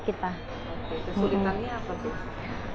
kesulitannya apa tuh